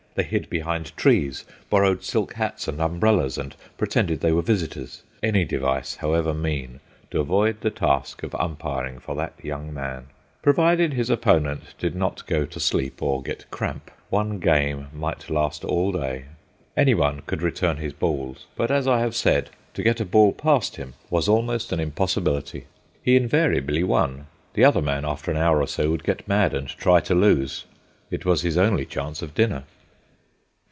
They hid behind trees, borrowed silk hats and umbrellas and pretended they were visitors—any device, however mean, to avoid the task of umpiring for that young man. Provided his opponent did not go to sleep or get cramp, one game might last all day. Anyone could return his balls; but, as I have said, to get a ball past him was almost an impossibility. He invariably won; the other man, after an hour or so, would get mad and try to lose. It was his only chance of dinner.